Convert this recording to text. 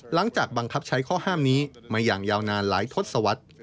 หลังจากบังคับใช้ข้อห้ามนี้มาอย่างยาวนานหลายทศวรรษ